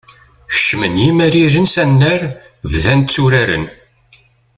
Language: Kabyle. Kecmen yimariren s anrar, bdan tturaren.